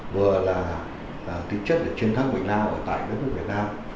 vừa là tính chất để chiến thắng bệnh lao ở tại đất nước việt nam